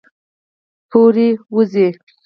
پورې ، وځي